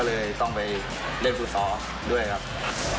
เลยต้องไปเล่นฟุตซอลด้วยครับ